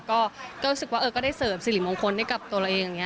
ก็รู้สึกว่าก็ได้เสริมสิริมงคลให้กับตัวเราเองอย่างนี้